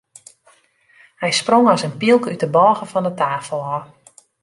Hy sprong as in pylk út de bôge fan de tafel ôf.